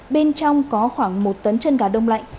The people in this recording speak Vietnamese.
bên trong có khoảng một tấn chân gà đông lạnh